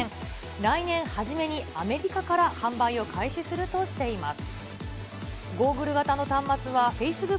来年初めにアメリカから販売を開始するとしています。